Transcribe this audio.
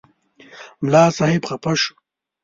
ملا صاحب خفه شو.